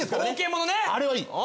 あれはいい。